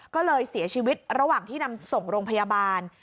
ก็เลยเสียชีวิตระหว่างที่นำส่งโรงพยาบาล